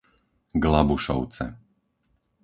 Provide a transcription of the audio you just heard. Glabušovce